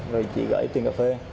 rồi chị gửi tiền cà phê